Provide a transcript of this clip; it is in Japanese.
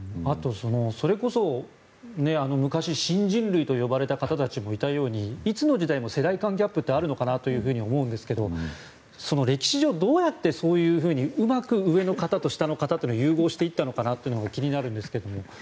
それこそ昔、新人類と呼ばれた人たちもいたように、いつの時代も世代間ギャップってあるのかなというふうに思うんですけど歴史上どうやってそういうふうにうまく上の方と下の方と融合していったのかなというのが気になるんですけども。